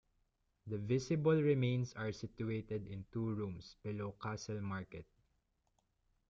The visible remains are situated in two rooms below Castle Market.